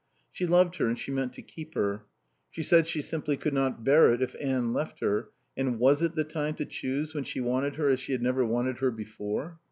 She loved her and she meant to keep her. She said she simply could not bear it if Anne left her, and was it the time to choose when she wanted her as she had never wanted her before?